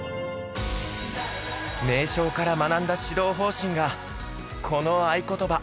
名将から学んだ指導方針がこの愛ことば。